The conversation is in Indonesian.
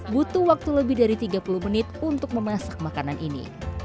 butuh waktu lebih dari tiga puluh menit untuk memasak makanan ini